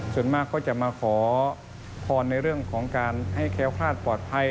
ส่วนมากก็จะมาขอพรในเรื่องของการให้แค้วคลาดปลอดภัย